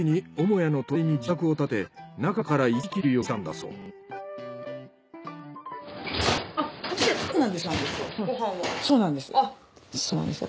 そうなんですね。